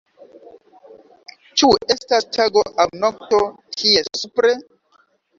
Ĉu estas tago aŭ nokto, tie, supre?